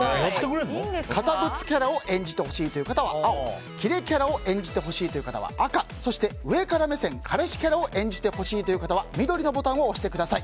堅物キャラを演じてほしい方は青キレキャラを演じてほしい方は赤上から目線彼氏キャラを演じてほしい方は緑のボタンを押してください。